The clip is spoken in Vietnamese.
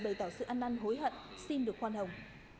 bày tỏ sự ăn năn hối hận xin được khoan hồng